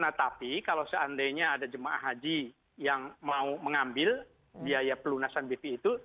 nah tapi kalau seandainya ada jemaah haji yang mau mengambil biaya pelunasan bp itu